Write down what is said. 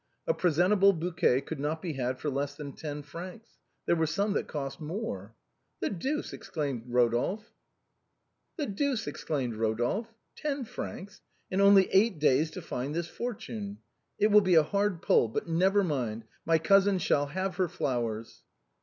A presentable bouquet could not be had for less than ten francs ; there were some that cost more. " The deuce !" exclaimed Rodolphe, " ten francs ! and only eight days to find this fortune ! It will be a hard pull, but never mind, my cousin shall have her flowers."